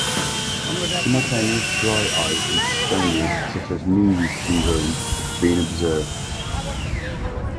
Simultaneous dry eye and dystonias such as Meige's syndrome have been observed.